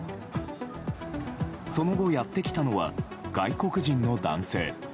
その後、やってきたのは外国人の男性。